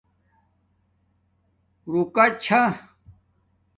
رُوکا چھا